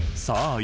さあ